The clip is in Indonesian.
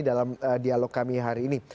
dalam dialog kami hari ini